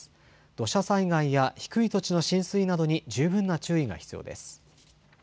土砂災害や低い土地の浸水などに十分な注意が必要です。